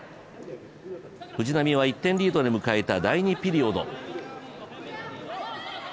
藤波は１点リードで迎えた第２ピリオド。